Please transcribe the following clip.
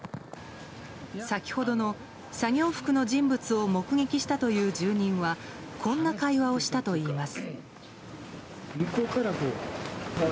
先ほどの、作業服の人物を目撃したという住人はこんな会話をしたといいます。